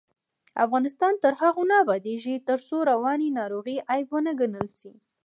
افغانستان تر هغو نه ابادیږي، ترڅو رواني ناروغۍ عیب ونه ګڼل شي.